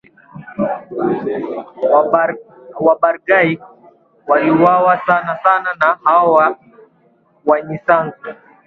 Wabarbaig waliuwawa sana sana na hao Wanyisanzu